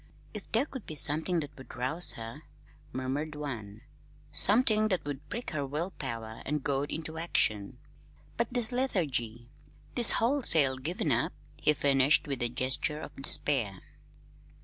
"If there could be something that would rouse her," murmured one; "something that would prick her will power and goad it into action! But this lethargy this wholesale giving up!" he finished with a gesture of despair.